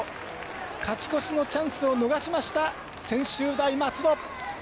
勝ち越しのチャンスを逃しました専修大松戸。